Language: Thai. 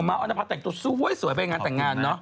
อ๋อมาออนภัทรแต่งตัวสวยไปงานแต่งงานเนอะ